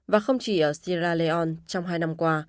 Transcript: và không chỉ ở sierra leon trong hai năm qua